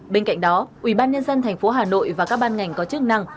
bên cạnh đó ubnd tp hà nội và các ban ngành có chức năng